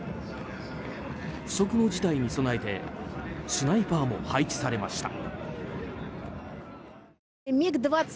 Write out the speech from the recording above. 不測の事態に備えてスナイパーも配置されました。